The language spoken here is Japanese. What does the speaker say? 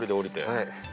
はい。